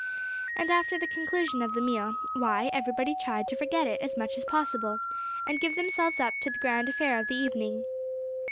And after the conclusion of the meal, why, everybody tried to forget it as much as possible, and give themselves up to the grand affair of the evening.